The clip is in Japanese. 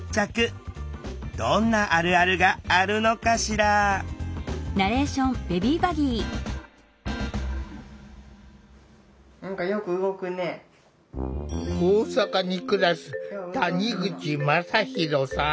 どんなあるあるがあるのかしら大阪に暮らす谷口真大さん。